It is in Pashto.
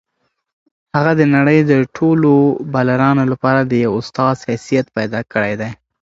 هغه د نړۍ د ټولو بالرانو لپاره د یو استاد حیثیت پیدا کړی دی.